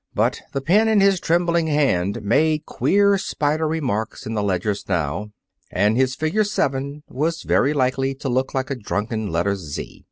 But the pen in his trembling hand made queer spidery marks in the ledgers now, and his figure seven was very likely to look like a drunken letter "z."